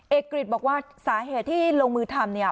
เอกริดบอกว่าสาเหตุที่ลงมือทำ